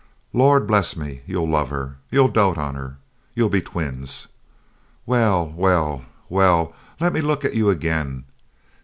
Lord bless me you'll love her you'll dote on her you'll be twins! Well, well, well, let me look at you again!